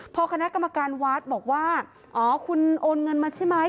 พอคณะกรรมการวัดบอกว่าอ๋อคุณโอนเงินมาใช่ไหม